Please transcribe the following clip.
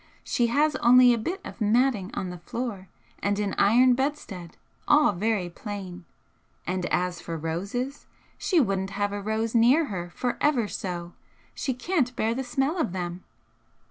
She has only a bit of matting on the floor, and an iron bedstead all very plain. And as for roses! she wouldn't have a rose near her for ever so! she can't bear the smell of them."